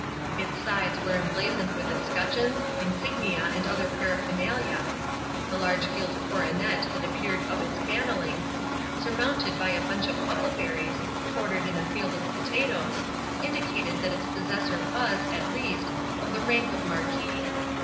Its sides were emblazoned with escutcheons, insignia and other paraphernalia. The large gilt coronet that appeared up its panelling, surmounted by a bunch of huckleberries, quartered in a field of potatoes, indicated that its possessor was, at least, of the rank of marquis.